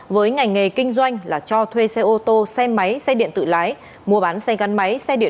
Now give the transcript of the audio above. với ngành nghề kinh doanh là cho thuê xe ô tô xe máy xe điện tự lái mua bán xe gắn máy xe điện